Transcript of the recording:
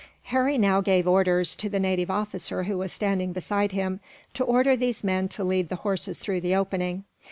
Harry now gave orders, to the native officer who was standing beside him, to order these men to lead the horses through the opening.